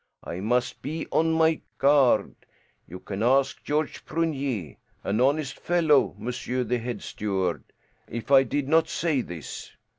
I must be on my guard.' You can ask Georges Prunier an honest fellow, monsieur the head steward if I did not say this.